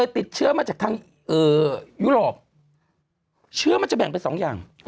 ติดเชื้อมาจากทางยุโรปเชื้อมันจะแบ่งเป็น๒อย่าง